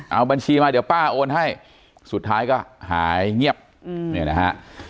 เอาบัญชีมาเดี๋ยวป้าโอนให้สุดท้ายก็หายเงียบเนี่ยนะฮะ